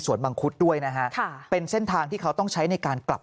ส่วนมังคุดด้วยนะฮะค่ะเป็นเส้นทางที่เขาต้องใช้ในการกลับ